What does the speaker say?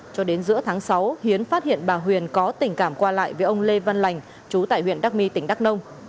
cho đến giữa tháng sáu hiến phát hiện bà huyền có tình cảm qua lại với ông lê văn lành chú tại huyện đắc my tỉnh đắk nông